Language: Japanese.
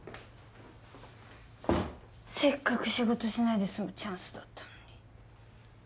せっかく仕事しないで済むチャンスだったのに。